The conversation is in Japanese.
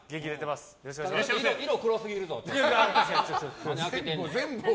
色、黒すぎるぞ。